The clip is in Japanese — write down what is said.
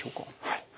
はい。